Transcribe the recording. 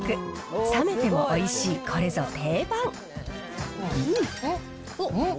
冷めてもおいしい、これぞ定番。